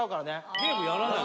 ゲームやらないの？